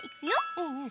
うんうん。